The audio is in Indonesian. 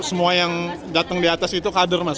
semua yang datang di atas itu kader mas